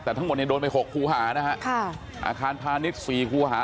แต่ทั้งหมดเนี่ยโดนไป๖ครูหานะครับอาคารพาณิชย์๔ครูหา